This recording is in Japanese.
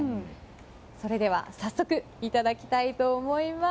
それでは早速いただきたいと思います。